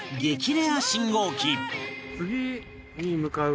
レア信号機